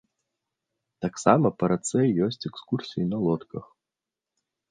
Таксама па рацэ ёсць экскурсіі на лодках.